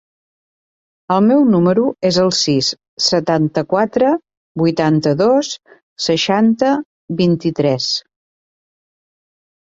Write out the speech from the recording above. El meu número es el sis, setanta-quatre, vuitanta-dos, seixanta, vint-i-tres.